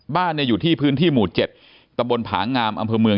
บ้านอยู่ที่พื้นที่หมู่๗ตะบนผางามอำเภอเมือง